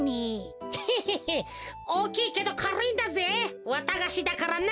へへへおおきいけどかるいんだぜわたがしだからな。